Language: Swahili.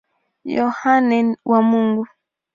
Yohane wa Mungu.